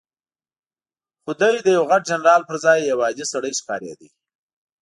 خو دی د یوه غټ جنرال پر ځای یو عادي سړی ښکارېده.